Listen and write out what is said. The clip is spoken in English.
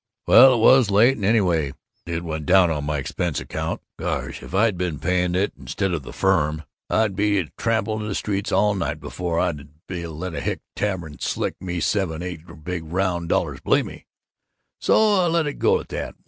"Well, it was late, and anyway, it went down on my expense account gosh, if I'd been paying it instead of the firm, I'd 'a' tramped the streets all night before I'd 'a' let any hick tavern stick me seven great big round dollars, believe me! So I lets it go at that.